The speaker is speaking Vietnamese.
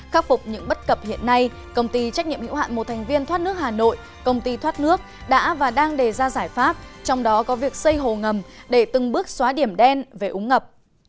khắc phục những bất cập hiện nay công ty trách nhiệm hữu hạn một thành viên thoát nước hà nội công ty thoát nước đã và đang đề ra giải pháp trong đó có việc xây hồ ngầm để từng bước xóa điểm đen về úng ngập